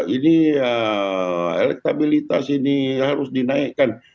ini elektabilitas ini harus dinaikkan